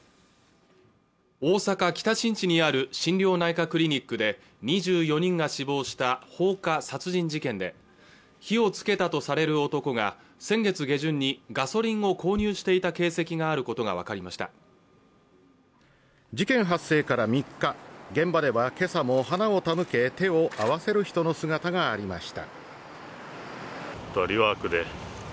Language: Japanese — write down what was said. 大阪北新地にある心療内科クリニックで２４人が死亡した放火殺人事件で火をつけたとされる男が先月下旬にガソリンを購入していた形跡があることが分かりました事件発生から３日現場では今朝も花を手向け手を合わせる人の姿がありました